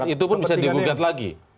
itu pun bisa digugat lagi